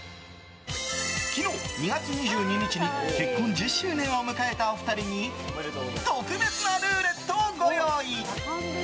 昨日２月２２日に結婚１０周年を迎えたお二人に特別なルーレットをご用意。